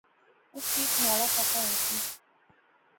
اُس وی تہواڑا پتہ ہوسی